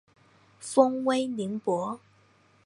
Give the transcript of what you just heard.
封威宁伯。